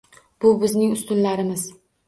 Bu bizning ustunlarimiz.